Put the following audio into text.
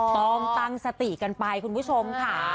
ต้องตั้งสติกันไปคุณผู้ชมค่ะ